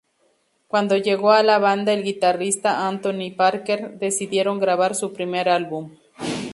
Cuando llegó a la banda el guitarrista Anthony Parker, decidieron grabar su primer álbum.